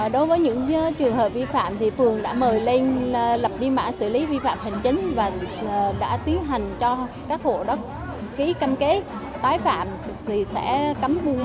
đối với những trường hợp vi phạm thì phường đã mời lên lập đi mạng xử lý vi phạm hành chánh và đã tiến hành cho các hộ ký cam kết tái phạm